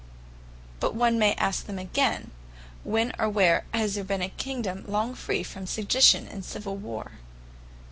But one may ask them again, when, or where has there been a Kingdome long free from Sedition and Civill Warre.